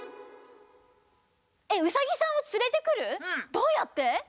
どうやって？